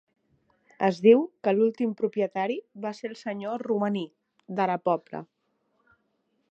Es diu que l'últim propietari va ser el senyor Romaní, de la Pobla.